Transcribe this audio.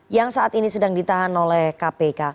yang saat ini sedang ditahan oleh kpk